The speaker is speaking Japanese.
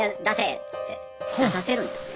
っつって出させるんですね。